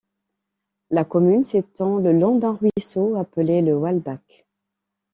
La commune s'étend le long d'un ruisseau appelé le Wahlbach.